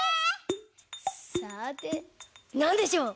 さてなんでしょう？